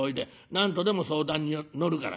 何度でも相談に乗るから。